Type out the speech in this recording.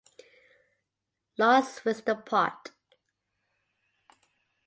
Lost Wisdom pt.